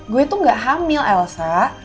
gue itu gak hamil elsa